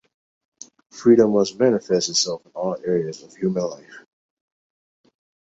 Freedom must manifest itself in all areas of human life.